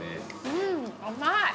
うん甘い。